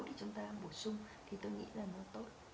để chúng ta bổ sung thì tôi nghĩ là nó tốt